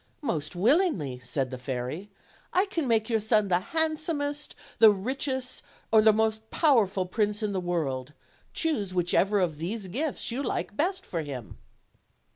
"Most willingly," said the fairy; "I can make your son the handsomest, the richest, or the most powerful prince in the world: choose whichever of these gifts you like best for him."